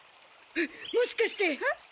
もしかして！